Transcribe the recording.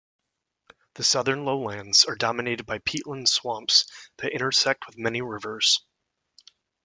The southern lowlands are dominated by peatland swamps that intersect with many rivers.